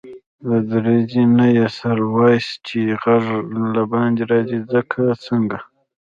له دريڅې نه يې سر واېست چې غږ له باندي راځي که څنګه.